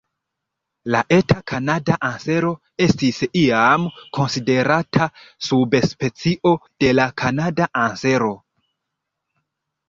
La Eta kanada ansero estis iam konsiderata subspecio de la Kanada ansero.